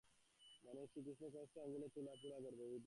মানে শ্রীকৃষ্ণের কনিষ্ঠ আঙুলে তোলা পাহাড়, গোবর্ধন গিরি।